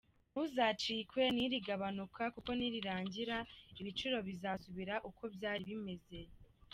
Ntuzacikwe n’iri gabanuka kuko nirirangira ibiciro bizasubira uko byari bimeze.